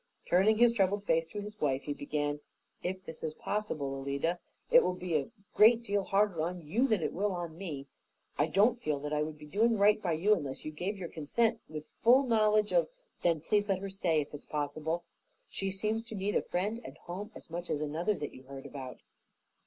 Turning his troubled face to his wife, he began, "If this is possible, Alida, it will be a great deal harder on you than it will on me. I don't feel that I would be doing right by you unless you gave your consent with full knowledge of " "Then please let her stay, if it is possible. She seems to need a friend and home as much as another that you heard about."